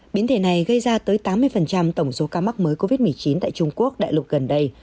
biến thể này gây ra tới tám mươi tổng số ca mắc mới covid một mươi chín tại trung quốc đại lục gần đây